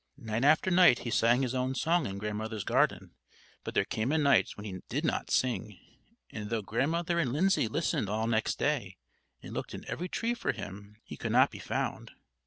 Night after night he sang his own song in Grandmother's garden. But there came a night when he did not sing; and though Grandmother and Lindsay listened all next day, and looked in every tree for him, he could not be found.